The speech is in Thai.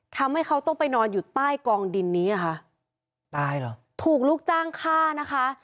ทำให้เขาต้องไปนอนอยู่ใต้กองดินนี้อ่ะค่ะตายเหรอถูกลูกจ้างฆ่านะคะ